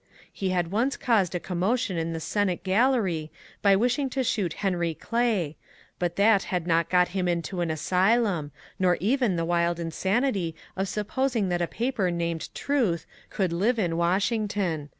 He had once caused a commotion in the Senate gallery by wishing to shoot Henry Clay, but that had not got him into an asylum, nor even the wild insanity of supposing that a paper named " Truth " could live in Washington.